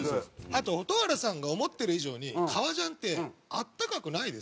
あと蛍原さんが思ってる以上に革ジャンって暖かくないですよ。